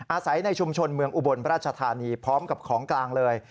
ในชุมชนเมืองอุบลราชธานีพร้อมกับของกลางเลย